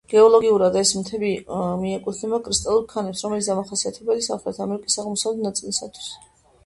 გეოლოგიურად, ეს მთები მიეკუთვნება კრისტალურ ქანებს, რომელიც დამახასიათებელია სამხრეთ ამერიკის აღმოსავლეთ ნაწილისათვის.